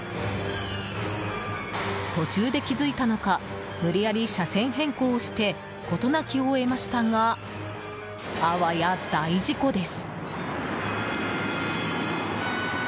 途中で気づいたのか無理やり車線変更をして事なきを得ましたがあわや大事故です。